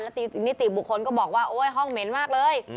นิติบุคคลก็บอกว่าโอ๊ยห้องเหม็นมากเลย